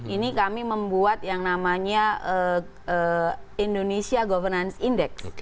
ini kami membuat yang namanya indonesia governance index